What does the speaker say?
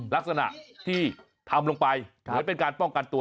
ลักษณะที่ทำลงไปเหมือนเป็นการป้องกันตัว